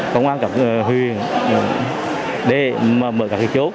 công an cảnh sát huyền để mở các chỗ